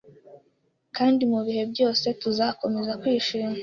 Kandi mu bihe byose tuzakomeza kwishima